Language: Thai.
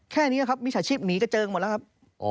แค่นี้ครับมิจฉาชีพหนีกระเจิงหมดแล้วครับ